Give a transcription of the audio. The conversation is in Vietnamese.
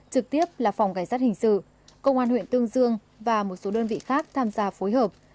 trực tiếp là phòng cảnh sát hình sự công an huyện tương dương và một số đơn vị khác tham gia phối hợp